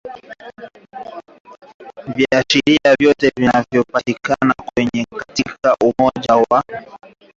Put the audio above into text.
Viashiria vyote vinavyopatikana kwetu katika umoja wa Mataifa na vinaonyesha kuwa